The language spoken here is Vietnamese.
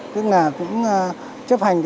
tức là cũng chấp hành